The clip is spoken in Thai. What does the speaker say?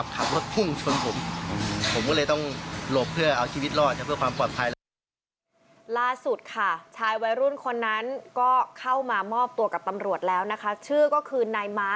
ทางหลังนี้ใช่ไหมเชื้อดำ